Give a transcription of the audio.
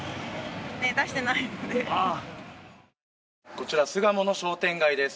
こちら巣鴨の商店街です。